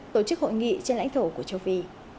tổ chức hội nghị trên lãnh thổ của châu phi